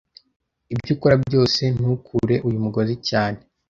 Ibyo ukora byose, ntukure uyu mugozi cyane